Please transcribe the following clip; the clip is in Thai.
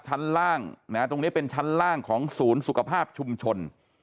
ชั้นล่างตรงนี้เป็นชั้นล่างของศูนย์สุขภาพชุมชน